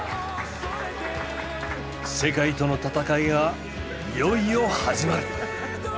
世界との戦いがいよいよ始まる。